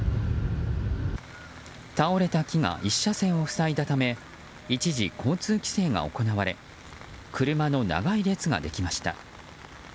倒れた木が１車線を塞いだため一時、交通規制が行われ車の長い列ができました。